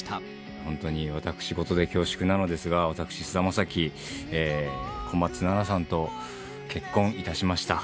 本当に私事で恐縮なのですが、私、菅田将暉、小松菜奈さんと結婚いたしました。